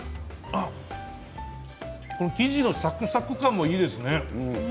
生地のサクサク感もいいですね。